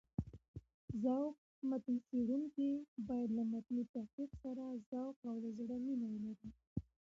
ذوق متن څېړونکی باید له متني تحقيق سره ذوق او له زړه مينه ولري.